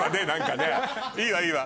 いいわいいわ。